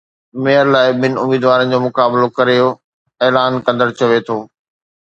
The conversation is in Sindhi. ميئر لاءِ ٻن اميدوارن جو مقابلو ڪريو اعلان ڪندڙ چوي ٿو